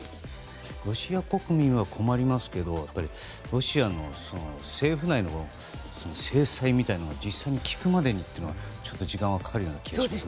ロシア国民は困りますけどやっぱり、ロシアの政府内への制裁みたいなものが実際に効くまでに時間がかかるような気がします。